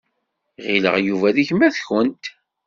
Ɣileɣ Yuba d gma-tkent.